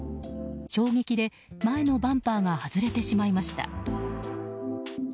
衝撃で前のバンパーが外れてしまいました。